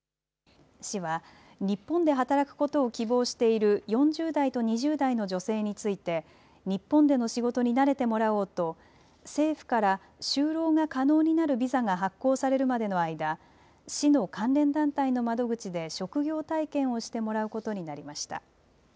市は日本で働くことを希望している４０代と２０代の女性について日本での仕事に慣れてもらおうと政府から就労が可能になるビザが発行されるまでの間、市の関連団体の窓口で職業体験をしてもらうことになりました。